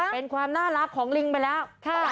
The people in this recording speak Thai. เป็นความน่ารักของลิงไปแล้ว